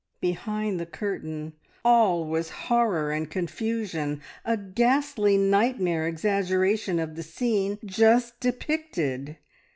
Behind the curtain all was horror and confusion, a ghastly nightmare exaggeration of the scene just depicted.